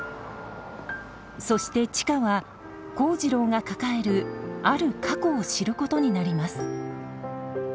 そして知花は幸次郎が抱えるある過去を知ることになります。